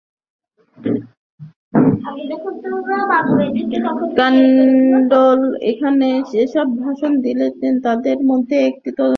কানন্দ এখানে যে-সব ভাষণ দিয়াছেন, তাহাদের মধ্যে একটি অত্যন্ত চিত্তাকর্ষক।